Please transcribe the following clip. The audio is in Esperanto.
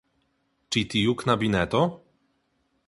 Ĉi tiu knabineto?